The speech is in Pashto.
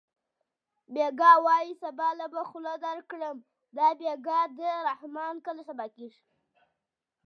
بېګا وایې سبا له به خوله درکړم دا بېګا د رحمان کله سبا کېږي